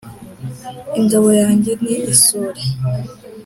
Ingabo yanjye ni isuri